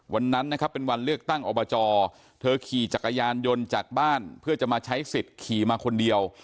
วันนั้นนะครับเป็นวันเลือกตั้งอบจเธอขี่จักรยานยนต์จากบ้านเพื่อจะมาใช้สิทธิ์ขี่มาคนเดียว